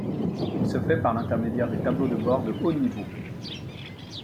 Il se fait par l'intermédiaire de tableaux de bord de haut niveau.